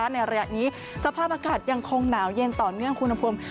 ในระยะนี้สภาพอากาศยังคงหนาวเย็นต่อเนื่องอุณหภูมิ